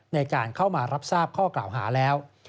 ในการเข้ามารับทราบข้อกล่าวหาแล้ว